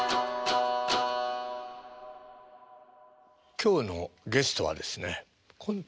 今日のゲストはですねコント